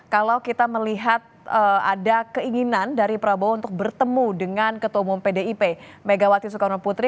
kalau kita melihat ada keinginan dari prabowo untuk bertemu dengan ketua umum pdip megawati soekarno putri